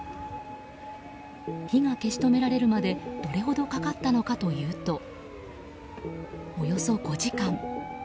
火が消し止められるまでどれほどかかったのかというとおよそ５時間。